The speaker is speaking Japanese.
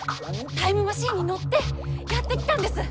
タイムマシンに乗ってやって来たんです。